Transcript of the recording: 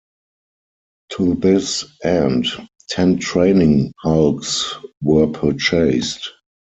To this end ten training hulks were purchased.